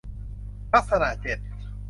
ลักษณะเจ็ด